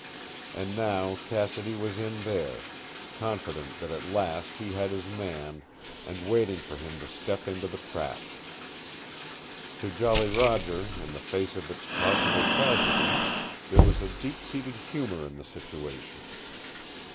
And now Cassidy was in there, confident that at last he had his man, and waiting for him to step into the trap. To Jolly Roger, in the face of its possible tragedy, there was a deep seated humor in the situation.